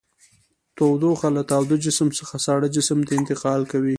تودوخه له تاوده جسم څخه ساړه جسم ته انتقال کوي.